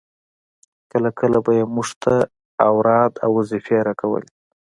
کله کله به يې موږ ته اوراد او وظيفې راکولې.